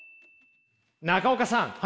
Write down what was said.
中岡さん